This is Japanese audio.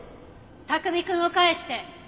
卓海くんを返して。